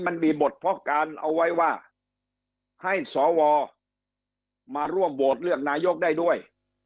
มันมีบทเพาะการเอาไว้ว่าให้สวมาร่วมโหวตเลือกนายกได้ด้วย